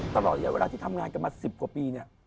ตลอดเวลาที่ทำงานกันมา๑๐กว่าปี